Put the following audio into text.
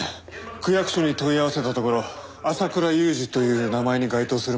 区役所に問い合わせたところ朝倉佑二という名前に該当する者はいなかった。